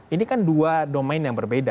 ini kan dua domain yang berbeda